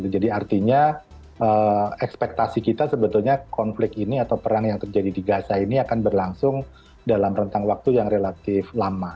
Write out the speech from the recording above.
artinya ekspektasi kita sebetulnya konflik ini atau perang yang terjadi di gaza ini akan berlangsung dalam rentang waktu yang relatif lama